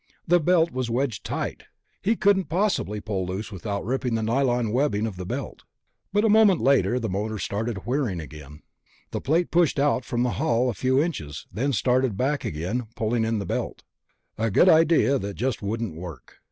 The belt was wedged tight ... he couldn't possibly pull loose without ripping the nylon webbing of the belt. But a moment later the motor started whirring again. The plate pushed out from the hull a few inches, then started back, again pulling in the belt.... A good idea that just wouldn't work.